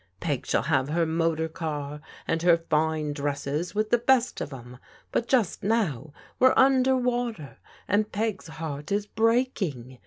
Peg shall have her motor car and her fine dresses with the best of 'em. But just no9f we're under water, and Peg's heart is breaking.